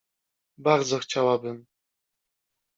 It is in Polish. Bardzo chciałabym.